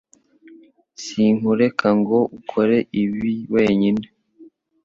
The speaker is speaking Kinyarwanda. Sinkureka ngo ukore ibi wenyine